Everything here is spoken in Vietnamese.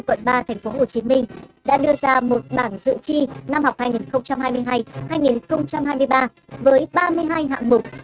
quận ba tp hcm đã đưa ra một bảng dự chi năm học hai nghìn hai mươi hai hai nghìn hai mươi ba với ba mươi hai hạng mục